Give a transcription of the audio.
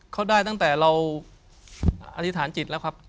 เขาได้ตั้งแต่เราอธิษฐานจิตแล้วครับ